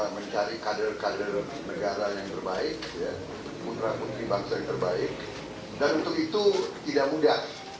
mencari kader kader negara yang terbaik ya untuk untuk kebangsaan terbaik dan untuk itu tidak mudah